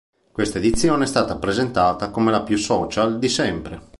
Questa edizione è stata presentata come la più social di sempre.